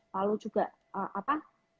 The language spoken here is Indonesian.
lalu juga apa